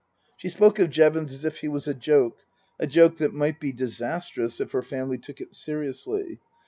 She spoke of Jevons as if he was a joke a joke that might be disastrous if her family took it seriously.